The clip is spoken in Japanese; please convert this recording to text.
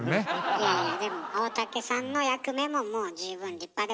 いやいやでも大竹さんの役目ももう十分立派でございますよ。